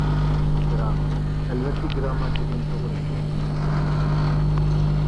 بىراق، ئەلۋەتتە گىرامماتىكىنى توغرا ئىشلەتكۈڭىز بار.